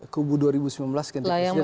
kubu dua ribu sembilan belas ganti presiden